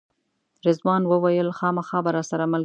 رضوان وویل خامخا به راسره ملګرتیا کوئ.